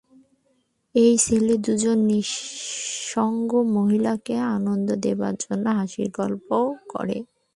এই ছেলে দুজন নিঃসঙ্গ মহিলাকে আনন্দ দেবার জন্যে হাসির গল্প করে।